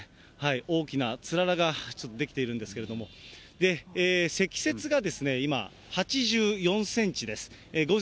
大きなつららがちょっと出来ているんですけれども、積雪が今、８４センチです。